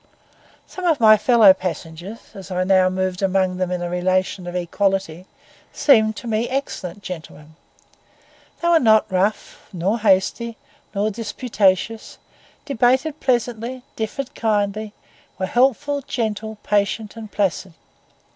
Some of my fellow passengers, as I now moved among them in a relation of equality, seemed to me excellent gentlemen. They were not rough, nor hasty, nor disputatious; debated pleasantly, differed kindly; were helpful, gentle, patient, and placid.